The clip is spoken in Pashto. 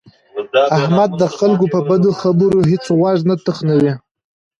احمد د خلکو په بدو خبرو هېڅ غوږ نه تخنوي.